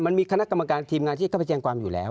มันมีคณะกรรมการทีมงานที่จะเข้าไปแจ้งความอยู่แล้ว